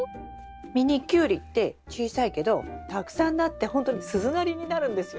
ミニキュウリって小さいけどたくさんなってほんとに鈴なりになるんですよ。